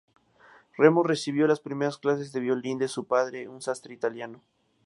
Remo recibió las primeras clases de violín de su padre, un sastre italiano.